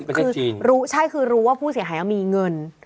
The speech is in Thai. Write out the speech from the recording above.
ประเทศจีนคือรู้ใช่คือรู้ว่าผู้เสียหายมีเงิน